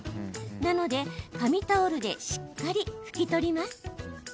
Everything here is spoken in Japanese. なので、紙タオルでしっかり拭き取ります。